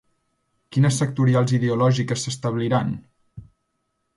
Quines sectorials ideològiques s'establiran?